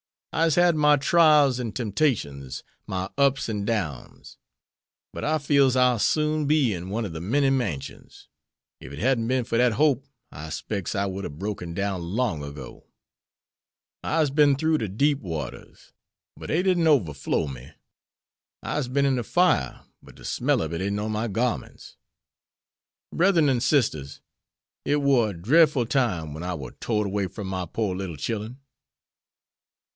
"I'se had my trials an' temptations, my ups an' downs; but I feels I'll soon be in one ob de many mansions. If it hadn't been for dat hope I 'spects I would have broken down long ago. I'se bin through de deep waters, but dey didn't overflow me; I'se bin in de fire, but de smell ob it isn't on my garments. Bredren an' sisters, it war a drefful time when I war tored away from my pore little chillen."